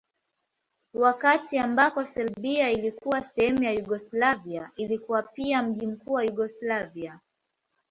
Wakati ambako Serbia ilikuwa sehemu ya Yugoslavia ilikuwa pia mji mkuu wa Yugoslavia.